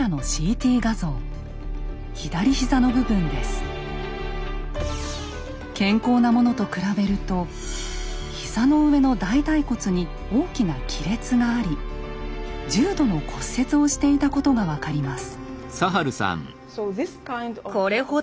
これは健康なものと比べると膝の上の大腿骨に大きな亀裂があり重度の骨折をしていたことが分かります。